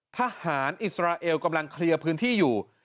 ทหารอิสราเอลกำลังเคลียร์พื้นที่อยู่